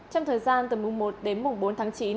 trong thời gian từ mùng một đến mùng bốn tháng chín